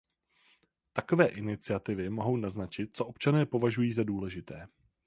Takové iniciativy mohou naznačit, co občané považují za důležité.